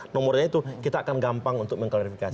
nomornya itu kita akan gampang untuk mengklarifikasi